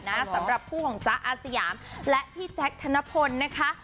สำหรับคู่ของจ๊ะอาสยามและพี่แจ๊คธนพลนะคะ